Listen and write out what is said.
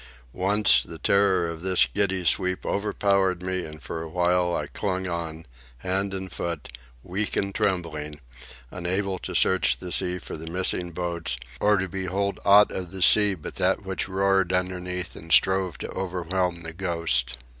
Once, the terror of this giddy sweep overpowered me, and for a while I clung on, hand and foot, weak and trembling, unable to search the sea for the missing boats or to behold aught of the sea but that which roared beneath and strove to overwhelm the Ghost.